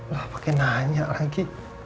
lah pake nanya lagi